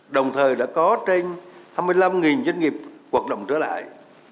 đồng thời đã có trên hai mươi năm doanh nghiệp hoạt động trở lại